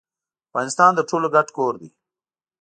افغانستان د ټولو ګډ کور دي.